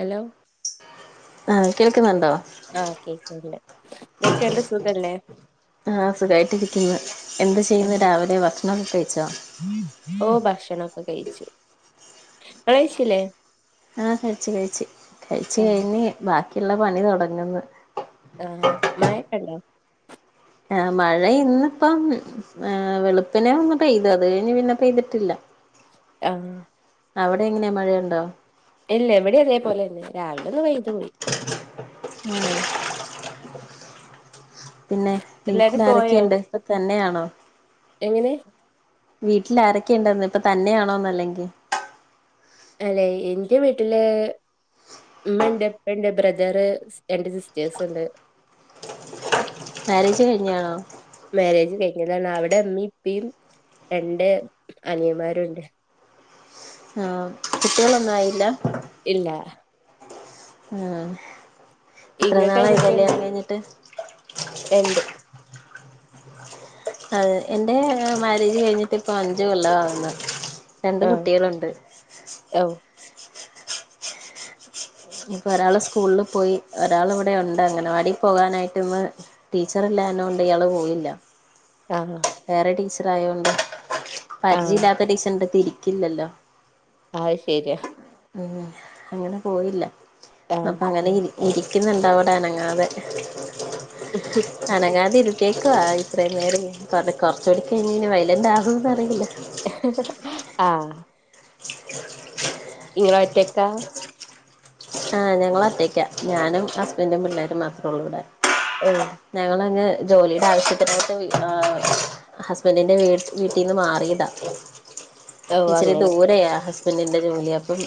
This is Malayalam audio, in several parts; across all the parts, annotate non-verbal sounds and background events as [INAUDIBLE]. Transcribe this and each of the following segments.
ഹലോ ആഹ് കേൾക്കുന്നുണ്ടോ ആഹ് കേക്ണ്ട്. എന്തൊക്കെ ണ്ട് സുഖല്ലേ? ആഹ് സുഖായിട്ടിരിക്കിന്ന്. എന്ത് ചെയ്യുന്നു രാവിലെ ഭക്ഷണൊക്കെ കഴിച്ചോ? ഓഹ് ഭക്ഷണൊക്കെ കയിച്ച്. ഇങ്ങളയിച്ചില്ലേ? ആഹ് കയിച്ച് കയിച്ച് കയിച്ച് ആഹ് കയിഞ്ഞ് ബാക്കിള്ള പണി തൊടങ്ങ്ന്ന്. ആഹ് മായൊക്കെണ്ടോ ആഹ് മഴ ഇന്നിപ്പം വെളുപ്പിനെ ഒന്ന് പെയ്തു അത് കഴിഞ്ഞ് പിന്നെ പെയ്തിട്ടില്ല ആഹ് അവിടെ എങ്ങനെയാ മഴയുണ്ടോ ഇല്ല എവിടെ അതേപോലെന്നെ രാവില ഒന്ന് പെയ്ത പോയി ഉം പിന്നെ വീട്ടിൽ എല്ലാരും പോയോ ആരൊക്കെയുണ്ട് ഇപ്പൊ തന്നെയാണോ എങ്ങനെ വീട്ടിൽ ആരൊക്കെ ഉണ്ടെന്നിട്ട് ഇപ്പൊ തന്നെയാണോന്നല്ലെങ്കിൽ അല്ലെ എൻ്റെ വീട്ടില് ഉമ്മണ്ട് ഇപ്പണ്ട് ബ്രദറ് സ് രണ്ട് സിസ്റ്റേഴ്സ് ഇണ്ട് മാരേജ് കഴിഞ്ഞാണോ മാരേജ് കഴിഞ്ഞതാണ് അവിടെ ഇമ്മീ ഇപ്പിം രണ്ട് അനിയമാരു ഉണ്ട് ആഹ് കുട്ടികളൊന്നും ആയില്ല ഇല്ല ആഹ് ഇത്ര ഇങ്ങക്ക് നാളായി ഏതൊക്കെണ്ട് കല്ല്യാണം കഴിഞ്ഞിട്ട് രണ്ട് അതെ എന്റെ മാരേജ് കഴിഞ്ഞിട്ട് ഇപ്പൊ അഞ്ച് കൊല്ലം ആവുന്ന് രണ്ട് ആഹ് കുട്ടികളുണ്ട് ഓ ഇനിപ്പൊ ഒരാള് സ്കൂള് പോയി ഒരാൾ ഇവിടെ ഉണ്ട് അങ്കനവാടി പോകാനായിട്ട് ഇന്ന് ടീച്ചർല്ലാന്നൊണ്ട് ഇയാള് പോയില്ല ആഹ് വേറെ ടീച്ചർ ആയൊണ്ട് പരിചയ ആഹ് ഇല്ലാത്ത ടീച്ചറിന്റെ അടുതിരിക്കില്ലല്ലോ അയിശെരിയാ ഉം അങ്ങനെ പോയില്ല അപ്പൊ ആഹ് അങ്ങനെയിരി ഇരിക്കുന്നുണ്ട് അവടെ അനങ്ങാതെ [INAUDIBLE] അനങ്ങാണ്ടെ ഇരിത്തിയേക്കുവ ഇത്രയും നേരം കൊറച്ചൂടി കഴിഞ്ഞ ഇനി വയലന്റ് ആകോന്ന് അറിയില്ല ആഹ് ഇങ്ങളൊറ്റെക്ക ആഹ് ഞങ്ങളൊറ്റയ്ക്കാ ഞാനും ഹസ്ബൻറും പിള്ളേരും മാത്രേ ഉള്ളൂവടെ ഓഹ് ഞങ്ങളങ്ങ് ജോലിയുടെ ആവശ്യത്തിനായിട്ട് വീ ആഹ് ഹസ്ബൻഡിന്റെ വീട് വീട്ടിന്ന് മാറിയതാ ഓ ഇച്ചിരി അങ്ങനെ ദൂരെയാ ഹസ്ബൻഡിന്റെ ജോലി അപ്പം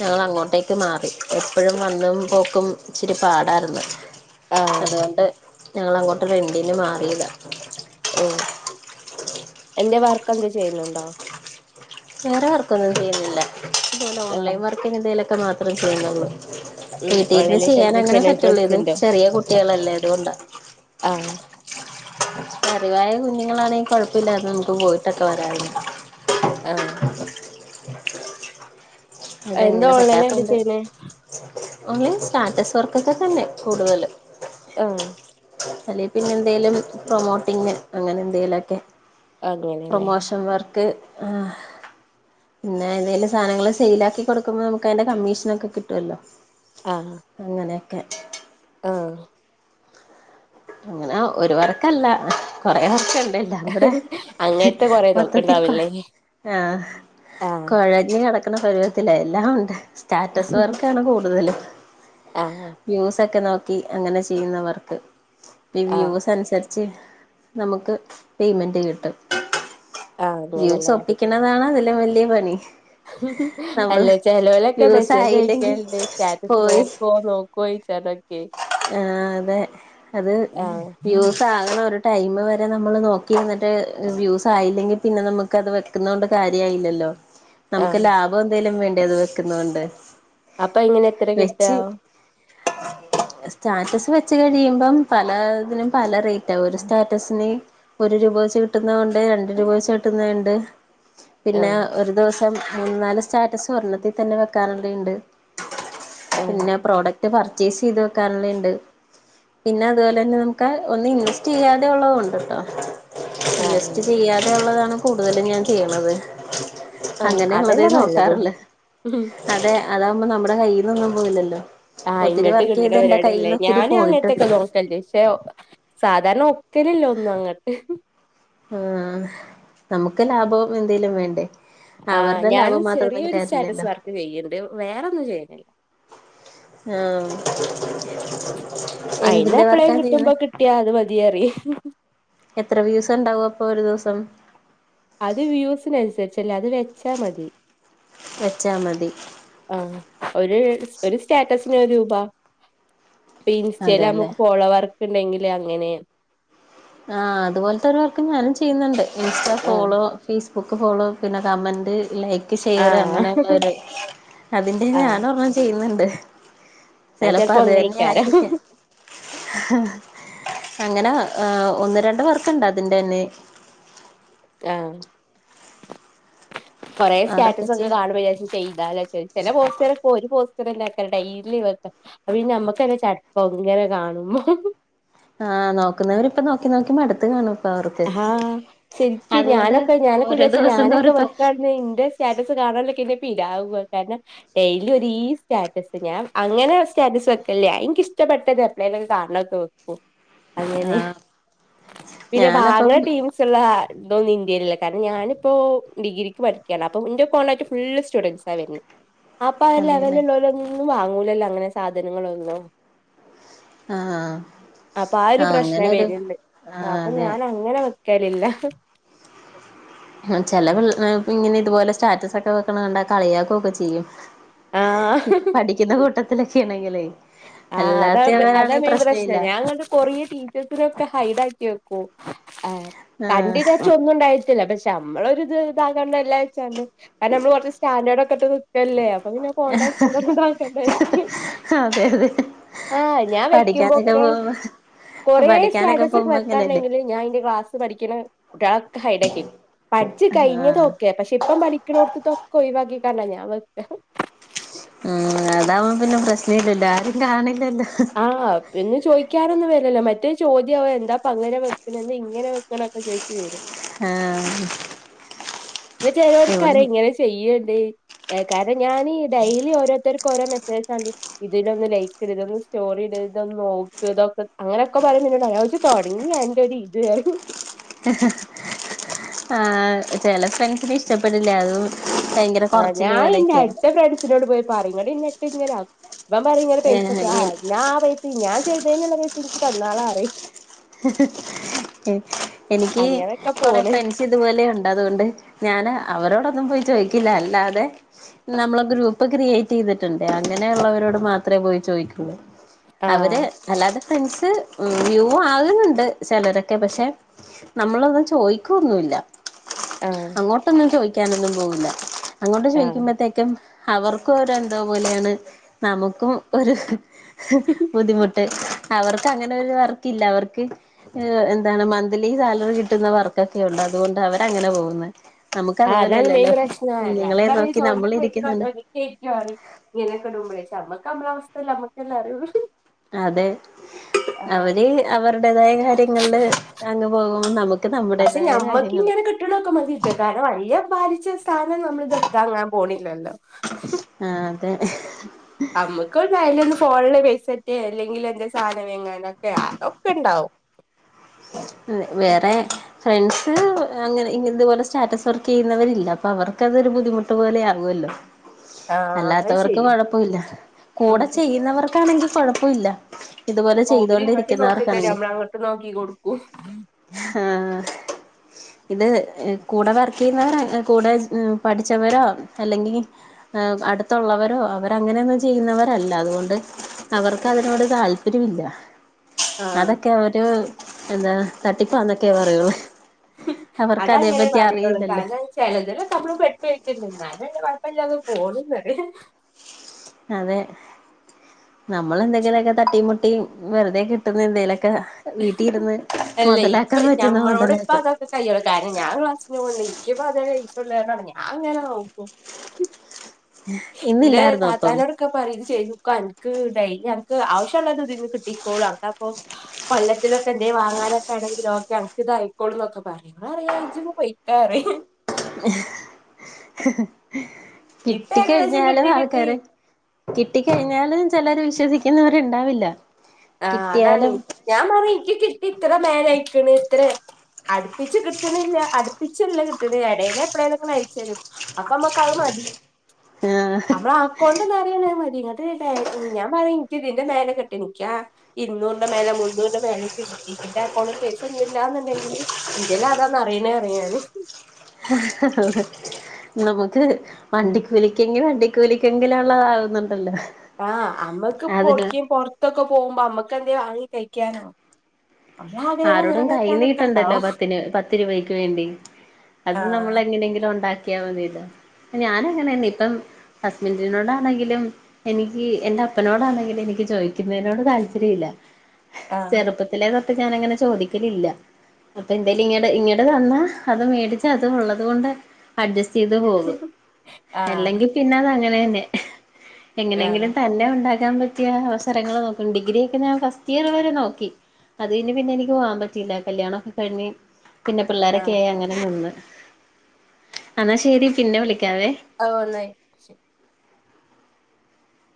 ഞങ്ങൾ അങ്ങോട്ടേക്ക് മാറി എപ്പോഴും വന്നും പോക്കും ഇച്ചിരി പാടായിരുന്നു ആഹ് അതുകൊണ്ട് ഞങ്ങള് അങ്ങോട്ട് റെന്റിന് മാറിയതാ ഓഹ് എന്റെ വർക്ക് എന്ത് ചെയ്യുന്നുണ്ടോ വേറെ വർക്കൊന്നും ചെയ്യുന്നില്ല ഇതുപോലെ ആഹ് ഓൺലൈൻ വർക് ഇന്തേലൊക്കെ മാത്രേ ചെയ്യുന്നുള്ളൂ ഉം വീട്ടിൽഇരുന്ന് ഓൺലൈനായിട്ട് ചെയ്യാൻ എന്താ അങ്ങനെ ചെയ്യണേ പറ്റുള്ളൂ ഇത് ഡ്രസ്സിന്റോ ചെറിയ കുട്ടികളല്ലേ അതുകൊണ്ടാ ആഹ് അറിവായ കുഞ്ഞുങ്ങളാണെങ്കിൽ കുഴപ്പില്ലരുന്നു നമുക്ക് പോയിട്ടൊക്കെ വരാർന്നു ആഹ് [INAUDIBLE] [INAUDIBLE] എന്താ അതെങ്ങനെ ഓൺലൈനായിട്ട് പറ്റാത്തോണ്ട് ചെയ്യണേ ഓൺലി സ്റ്റാറ്റസ് വർക്കൊക്കെ തന്നെ കൂടുതല് ആഹ് അല്ലെ പിന്നെ എന്തേലും പ്രൊമോട്ടിങ് അങ്ങനെ എന്തേലെക്കെ അങ്ങനെല്ലേ പ്രൊമോഷൻ വർക്ക് ആഹ് പിന്നെ ഏതേലും സാനങ്ങള് സെയിലാ ക്കി കൊടുക്കുമ്പോ നമുക്കയിന്റെ കമ്മീഷനെക്കെ കിട്ടുവല്ലോ ആഹ് അങ്ങനെയെക്കെ ആഹ് അങ്ങനെ ഒരു വർക്കല്ല കൊറേ വർക്ക്ണ്ട് [UNINTELLIGIBLE] അങ്ങനത്തെ കൊറെ മൊത്തത്തി കൊഴ നോക്കണ്ടാവില്ലേ ആഹ് ആഹ് കൊഴഞ്ഞട ക്ക്ണെ പരുവത്തിലെ എല്ലാം ഉണ്ട് സ്റ്റാറ്റസ് വർക്കാണ് കൂടുതലും ആഹ് വ്യൂസൊക്കെ നോക്കി അങ്ങനെ ചെയ്യ്ന്ന വർക്ക് ഇപ്പ ഈ ആഹ് വ്യൂസ് അന്സരിച്ച് നമുക്ക് പേയ്മെന്റ് കിട്ടും ആഹ് വ്യൂസ് അങ്ങനല്ലേ ഒപ്പി ക്ക്ണതാണ് അതിലും വല്ല്യെ പണി നമ്മള് അല്ലെ ചെലോലൊക്കെ വ്യൂസ് മെസ്സേജ് ആയില്ലെങ്കി അയക്കെല്ണ്ട് സ്റ്റാറ്റസ് പോയി നോക്കോ നോ [UNINTELLIGIBLE] ആഹ് അതെ അത് ആഹ് വ്യൂസ് ആകണോര് ടൈമ് വരെ നമ്മള് നോക്കി ഇര്ന്നിട്ട് വ്യൂസ് ആയില്ലെങ്കി പിന്നെ ഞമ്മക്കത് വെക്ക്ന്നോണ്ട് കാര്യായില്ലല്ലോ നമുക്ക് ആഹ് ലാഭം എന്തേലും വേണ്ടേ അത് വെക്ക്ന്നോണ്ട് അപ്പ എങ്ങനെ എത്രെ കിട്ടാ സ്റ്റാറ്റസ് വെച്ച് കഴിയുമ്പം പലതിനും പല റേ റ്റാ ഒരു സ്റ്റാറ്റസിന് ഒരു രൂപ വെച്ച് കിട്ട്ന്നവുണ്ട് രണ്ട് രൂപ വെച്ച് കിട്ട്ന്നെണ്ട് പിന്നെ ആഹ് ഒരു ദിവസം മൂന്ന് നാല് സ്റ്റാറ്റസ് ഒരെണ്ണത്തി തന്നെ വെക്കാന്ള്ളെ ഇണ്ട് ആഹ് പിന്നെ പ്രോഡക്റ്റ് പർച്ചേസെയ്ത് വെക്കാന്ള്ളേണ്ട് പിന്നെ അതുപോലന്നെ നമുക്ക് ഒന്നും ഇൻവെസ്റ്റെയ്യാതെ ഉള്ളതും ഉണ്ട്ട്ടോ ഇൻവെസ്റ്റ്‌ ആഹ് ചെയ്യാതെയുള്ളതാണ് കൂടുതലും ഞാൻ ചെയ്യ്ണത് ആഹ് അങ്ങനെ അതല്ല ഇള്ളതെ നല്ലതും നോക്കാറ്ള്ളു അതെ അതാവുമ്പോ നമ്മടെ കയ്യിന്നൊന്നും പോവില്ലല്ലോ ആഹ് ഇങ്ങട്ട് കിട്ട്ണ പരിപാടിയല്ലേ ഞാനും അങ്ങത്തെക്കെ പോയിട്ടുണ്ട് നോ ക്കല്ണ്ട് പക്ഷേ ഒ സാധാരണ ഒക്കലില്ല ഒന്നും അങ്ങട്ട് ആഹ് നമുക്ക് ലാഭം എന്തേലും വേണ്ടേ ആഹ് അവരുടെ ഞാന് ലാഭം മാത്രം നോക്കിട്ട് ചെറിയൊരു സ്റ്റാറ്റസ് കാര്യല്ലല്ലോ വർക്ക് ചെയ്യ്ണ്ട് വേറെന്നും ചെയ്യ്ണില്ല ആഹ് അയിന് എന്തിന്റെ എപ്പളേലും വർക്കാ ചെയ്യുന്നെ കിട്ട്മ്പോ കിട്ടിയാ അത് മതീയറിം എത്ര വ്യൂസ്ണ്ടാവും അപ്പൊ ഒരു ദിവസം അത് വ്യൂസ്ന് അന്സരിച്ചല്ല അത് വെച്ചാ മതി വെച്ചാ മതി ആഹ് ഒര് സ് ഒര് സ്റ്റാറ്റസിന് ഒരു രൂപ ഇപ്പ ഈ ഇൻസ്റ്റേല് അതെല്ലേ അമ്മക്ക് ഫോളോവർക്ക് ഇണ്ടെങ്കില് അങ്ങനെ ആഹ് അത് പോലത്തെ ഒരു വർക്ക് ഞാനും ചെയ്യ്ന്നുണ്ട് ഇൻസ്റ്റാ ആഹ് ഫോളോ ഫേസ്ബുക്ക് ഫോളോ പിന്നെ കമന്റ് ലൈ ക്ക് ഷെയറ് ആഹ് അങ്ങനേള്ളൊരു അതിന്റെ ആഹ് ഞാനും ഒരെണ്ണം ചെയ്യുന്ന്ണ്ട് അത് ചെലപ്പം ചെലപ്പോ ഒന്നേക്കാരം അതന്ന്യായിരിക്ക്യും അങ്ങനെ ആഹ് ഒന്ന് രണ്ട് വർക്ക്ണ്ട് അതിന്റെന്നെ ആഹ് കൊറേ അതൊക്കെ സ്റ്റാറ്റസ് ഒക്കെ ചെയ്യും കാണുമ്പം വിചാരിച്ചും ചെയ്താലോച്ചും ചെല പോസ്റ്ററ് ഒക്കെ ഒരു പോസ്റ്റ് റെന്നെയ്ക്കാരം ഡെയ്ലി വെക്ക അപ്പ പിന്നെ നമ്മക്കെന്നെ ചടപ്പാവും ഇങ്ങനെ കാണുമ്പം ആഹ് നോക്കുന്നവരിപ്പം നോക്കി നോക്കി മട്ത്ത് കാണും അവർക്ക് ആഹ് ശരിക്കും അതുകൊണ്ട് ഞാനൊക്കെ ഞാനൊക്കെ ഓരോ വിചാര്ച്ചും ദിവസം ഞാനൊക്കെ തോറും ഇപ്പ വെക്കാണ്ന്ന്ണ്ടെങ്കി ഇൻ്റെ സ്റ്റാറ്റസ് കാണ് ണോലൊക്കെ ഇന്നെ പിരാവും കാരണം ഡെയിലി ഒരേ സ്റ്റാറ്റസ് ഞാൻ അങ്ങനെ സ്റ്റാറ്റസ് വെക്കലില്ല ഞാൻ ഇൻക്കിഷ്ടപ്പെട്ടത് എപ്പളേലൊക്കെ കാണ്ണൊക്കെ വെക്കും അങ്ങനെ ആഹ് പിന്നെ ഞാനപ്പം പാവങ്ങളെ ടീമ്സ് സ്ള്ളാ ഇതൊന്നും ഇൻ്റീലില്ല കാരണം ഞാനിപ്പോ ഡിഗ്രിക്ക് പഠിയ്ക്കാണ് അപ്പം ഇൻ്റെ കോണ്ടാക്ട് ഫുള്ള് സ്റ്റുഡൻസാ വര്ണത് [INAUDIBLE] അപ്പ ആഒര് അതെല്ലേ ലെവല്ള്ളാലൊന്നും വാങ്ങൂലല്ലോ അങ്ങനെ സാധനങ്ങളൊന്നും ആഹ് അപ്പ ആ ഒരു ആഹ് പ്രശ്നം അങ്ങനൊരു വെര്ണ്ട് ആഹ് അപ്പം അതെ ഞാൻ അങ്ങനെ വെക്കലില്ല ആഹ് ചെല പിൾ ആ ഇങ്ങനെ ഇതുപോലെ സ്റ്റാറ്റസൊക്കെ വെക്ക്ണ കണ്ടാ കളിയാക്കാെക്കെ ചെയ്യും ആഹ് ഇപ്പം പഠിയ്ക്ക്ന്ന കൂട്ടത്തിലൊക്യാണെങ്കിലേ ആഹ് അതാ അതാ അല്ലാത്തയാണെങ്കി മെയിൻ പ്രശ്ന ഇല്ല പ്രശ്നം ഞാൻ ഇങ്ങട്ട് കൊറേ ടീച്ചേഴ്സിനൊക്കെ ഹൈഡാക്കി വെക്കും ആഹ് കണ്ട് ആഹ് ഇജാര്ച്ചൊര് ന്നൂണ്ടായിട്ടല്ല പക്ഷെ നമ്മളൊര്ത് ഇതാകണ്ടല്ലോച്ചാണ്ട് കാരണം നമ്മള് കൊറച്ച് സ്റ്റാഡേർഡ് ഒക്കെട്ട് നി ക്കല്ലേ അപ്പം പിന്നെ പോണ്ടാച്ച ഇതെന്താക്കാട്ടണ്ടായിരിയ്ക്കും ആഹ് അതെയതെ ആഹ് ഞാൻ വെയ്ക്കുമ്പൊക്കെ കാെറെ പഠിക്കാനൊക്കെ സ്റ്റാറ്റസ് ഒക്കെ പോകുമ്പോ ഇങ്ങനെയല്ലേ വെക്കാണ്ടെങ്കില് ഞാന് ഇന്റെ ക്ലാസ് പഠിയ്ക്ക്ണ കുട്യേളൊക്കെ ഹൈഡാക്കെയ്ക്കും പഠ്ച് ആഹ് കയ്ഞ്ഞതോക്കെ പക്ഷെ ഇപ്പം പഠിക്ക്ണോട്ത്തൊക്കെ ഒയ് വാക്കിക്കാണ്ട ഞാൻ വെക്കാ ആഹ് അതാവുമ്പ പിന്നെ പ്രശ്നയില്ലല്ലൊ ആരും കാണില്ലല്ലോ ആഹ് പിന്നെ ചോയ്ക്കാനൊന്നും വര്ലല്ലോ മറ്റേ ചോദ്യാവും എന്താപ്പ അങ്ങനെ വെക്ക്ണത് ഇങ്ങനെ വെക്ക് ണൊക്കെ ചോയ്ച്ച് വരും ആഹ് പിന്നെ ഇവിടെ ചെലോൽക്കറിം ഇങ്ങനെ ചെയ്യ്ണ്ട് കാരണം ഞാന് ഡെയിലി ഓരോര്ത്തര് ക്ക് ഓരോ മെസേജാണ്ടി ഇതിനൊന്ന് ലൈക്ക് ഇട് ഇതൊന്ന് സ്റ്റോറയ്ത് ഇതൊന്ന് നോക്ക് ഇതൊക്കെ അങ്ങനൊക്കെ പറിമ്പം ഇന്നോടോയ്ച്ചും അഅ് ജ്- തൊടങ്ങി അൻ്റൊരിത് അറിം ആഹ് ചെല ഫ്രൻസിന് ഇഷ്ടപ്പെടില്ല അതും ഭയങ്കര ആഹ് കൊറച്ചില് ഞാന് ൻ്റെ പോലെയൊക്കെയ അട്ത്ത ഫ്രണ്ട്സിനോട് പോയി പറിം ന്നട്ട് ന്നെ ഇട്ട് ങ്ങനെ ആക്കും അപ്പം പറിം ഇങ്ങനെ പൈസട്ടും ആഹ് ഏഹ് യി ന്നാ ആ പൈസിം ഞാൻ ചെയ്തീന്ള്ള പൈസീം ഇൻക് തന്നാളാറിം എൻ എനിയ്ക്കി അങ്ങനെയൊക്കെ കൊറെ പോണ് ഫ്രണ്ട്സ് ച്ച് ഇതുപോലെ ഒണ്ട് അതുകൊണ്ട് ഞാന് അവരോടൊന്നും പോയി ചോയ്ക്കില്ല അല്ലാതെ നമ്മളെ ഗ്രൂപ്പ് ക്രിയേറ്റയ്ത്ട്ട്ണ്ട് അങ്ങനെ ഉള്ളവരോട് മാത്രേ പോയി ചോയ്ക്കൊള്ളൂ അവര് ആഹ് അല്ലാതെ ഫ്രണ്ട്സ് ഉം യൂ ഓ ആകുന്നുണ്ട് ചെലരൊക്കെ പക്ഷെ നമ്മളൊന്നും ചോയ്ക്കൊന്നുല്ല ആഹ് അങ്ങോട്ടൊന്നും ചോയ്ക്ക്യാനൊന്നും പോവൂല അങ്ങോട്ട് ആഹ് ചോയ്ക്ക്യുമ്പത്തേക്കും അവർക്കും ഒരു എന്തോ പോലെയാണ് നമുക്കും ഒരു ബുദ്ധിമുട്ട് അവർക്ക് അങ്ങനെ ഒരു വർക്കില്ല അവർക്ക് എന്താണ് മന്ത്ലീ സാലറി കിട്ട്ന്ന വർക്കൊക്കെ ഉണ്ട് അതുകൊണ്ട് അവര് അങ്ങനെ പോവുന്ന് നമുക്ക് ആഹ് അതുപോലെ അതാണ് മെയിൻ അല്ലല്ലോ പ്രശ്നം കുഞ്ഞുങ്ങളെ നോക്കി നമ്മളിരിക്കുന്ന്ണ്ട് ശെര്യാണ് വീഡിയൊക്കെ ഇടുമ്പഴേ പക്ഷെ അമ്മക്ക് അമ്മളെ അവസ്ഥയല്ലെ ഞമ്മക്കല്ലെ അറിയൊള്ളു അതെ അവര് അവരുടേതായ കാര്യ കയങ്ങളില് അങ്ങ് പോകുമ്പോൾ നമുക്ക് നമ്മുടേതായ കാര്യങ്ങൾ കട്ടണൊക്കെ മതിട്ട് കാരണം അയ്യ പാലിച്ച സ്ഥാനം നമ്മളിത് താങ്ങാൻ പോണില്ലല്ലോ ആഹ് അതെന്നെ നമ്മക്ക് ഒന്ന് ഫോണില് പൈസേറ്റെ അല്ലെങ്കിൽ എന്തെലും സാധനം വങ്ങാന ഒക്കെ അതൊക്കെ ഉണ്ടാവും വേറെ ഫ്രണ്ട്സ് അങ്ങനെ ഇ ഇതുപോലെ സ്റ്റാറ്റസ് വർക്ക് ചെയ്യുന്നവരില്ല അപ്പൊ അവർക്കതൊരു ബുദ്ധിമുട്ട് പോലെ ആകുവല്ലോ ആഹ് അത് അല്ലാത്തവർക്ക് ശരി കൊഴപ്പമില്ല ഉം കൂടെ ചെയ്യുന്നവർക്കാണെങ്കിൽ കുഴപ്പമില്ല ഇതുപോലെ ഓരിങ്ങട്ടും നോക്കി തരും ചെയ്തൊണ്ടിരിക്കുന്നവർക്കാണെങ്കിൽ നമ്മൾ അങ്ങോട്ട് നോക്കി കൊടുക്കൂ ആഹ് ഇത് കൂടെ വർക്ക് ചെയ്യുന്നവർ കൂടെ പഠിച്ചവരോ അല്ലെങ്കിൽ അടുത്തുള്ളവരോ അവര അങ്ങനെയൊന്നും ചെയ്യുന്നവരല്ല അതുകൊണ്ട് അവർക്ക് അതിനോട് താല്പര്യമില്ല ആഹ് അതൊക്കെ ഒരു എന്താ തട്ടിപ്പാന്നൊക്കെ പറയുള്ളൂ അവർക്ക് അതേ പറ്റി അറിയില്ലല്ലോ ചെലതിലൊക്കെ നമ്മൾ പെട്ട്കെടക്കണ്ട് ന്നാൽ വല്ല കുഴപ്പമില്ലാതെ പോന്ന അതെ നമ്മളെന്തെങ്കിലുക്കെ തട്ടി മുട്ടിയ വെറുതെ കിട്ടുന്ന എന്തെങ്കലൊക്കെ വീട്ടിലിരുന്ന് മൊതലാക്കാൻ പറ്റുന്ന മൊതലാക്ക് കൈ്യള കാരണം ഞാ ക്ലാസിന് പോകണ്ട് എനിക്കിപ്പപ്പോ അതേ കഴിച്ചുള്ളാണ് ഞാൻ എങ്ങനെ നോക്കും എന്റെ ഇന്നില്ലായിരുന്നോ അപ്പം താത്താനോട് പറ ഇത് ചെയ് നോക്ക എനിക്ക് എനക്ക് ആവശ്യംള്ളത് ഇതിന്ന് കിട്ടിക്കോളു അന അപ്പൊ കൊല്ലത്തിലൊക്കെ എന്ത വാങ്ങാനൊക്കെ ആണെങ്കില ഓക്കെ അർക്ക ഇതായിക്കോളൂ എന്നൊക്കെ പറയാ ഞാൻ അറിയാംതെ ഇജ്ജോന്ന് പൊയിക്കാറിയ്‌ കിട്ട ഇപ്പൊ ഏകദേശം കഴിഞ്ഞാലും കിട്ടി കിട്ടി ആൾക്കാര് കിട്ടി കഴിഞ്ഞാലും ചിലർ വിശ്വസിക്കുന്നാവരൂണ്ടാവില്ല ആഹ് അതാണ് ഞാൻ പറിയി ക്ക് ഇത്ര നേരായിക്കിണ് ഇത്ര നേരാ അടുപ്പിച്ച് കിട്ടണില്ല അടുപ്പിച്ചല്ല കിട്ടണ ഇടയിലെ എപ്പഴലുംങ്ങനെ അയിച്ചരും അപ്പമ്മകത് മതി ആഹ് അതോ കൊണ്ടന്ന്റിയണ മതി ഇങ്ങ ഞാൻ പറയാ ഇനി് ഇതിന്റെ മേലെ കെട്ടി നിക്കാ ഇരുന്നൂറിന്റെ മേലെ മുന്നൂറിന്റെ മേലക്ക് കിട്ടി എന്റെ അക്കൗണ്ടിൽ പൈസ ഒന്നില്ല എന്നുണ്ടെങ്കില് എന്റെൽ അതാന്ന് അറിയണേ അറിയാന് ആഹ് നമുക്ക് വണ്ടികൂലിക്കെങ്കി വണ്ടികൂലിക്കെങ്കിലും ഉള്ളതാകുന്നുണ്ടല്ലോ. ആഹ് അമ്മക്ക് പൊട്കെ പൊറത്തൊക്കെ പോകുമ്പോ അമ്മക്ക് എന്തേ വാങ്ങി കഴിക്കാന ആരോടും കൈ നീട്ടണ്ടല്ലോ പത്തി പത്ത് രൂപയ്ക്ക് വേണ്ടി അത് നമ്മൾ ആഹ് എങ്ങനെങ്കിലും ഉണ്ടാക്കിയാൽമതീല്ലോ ഞാന അങ്ങനെയ ഇപ്പം ഹസ്ബൻഡിനോടാണെങ്കിലും എനിക്ക് എൻറെ അപ്പനോടാണെങ്കിൽ എനിക്ക് ചോദിക്കുന്നതിനോട് താല്പര്യം ഇല്ല ആഹ് ചെറുപ്പത്തിലേതൊട്ട് ഞാന അങ്ങനെ ചോദിക്കലില്ല അപ്പൊ എന്തെലും ഇങ്ങടെ ഇങ്ങടെ തന്നാ അത് മേടിച്ച അത് ഉള്ളത് കൊണ്ട് അഡ്ജസ്റ്റ് ചെയ്ത് പോകും ആഹ് അല്ലെങ്കിൽ പിന്നെ അത് അങ്ങനെ തന്നെ ആഹ് എങ്ങനെങ്കിലും തന്നെ ഉണ്ടാക്കാൻ പറ്റിയ അവസരങ്ങൾ നോക്കും. ഡിഗ്രിയ ഒക്കെ ഞാൻ ഫസ്റ്റ് ഇയർ വരെ നോക്കി അത് കഴിഞ് പിന്നെ എനിക്ക് പോവാൻ പറ്റയില്ല കല്യാണം ഒക്കെ കഴിഞ് പിന്നേ പിള്ളാരൊക്കെ ആഹ് അങ്ങനെ ന്ന് എന്നാ ശെരി പിന്നെ വിളിക്കാവേ അഹ് ന്നായി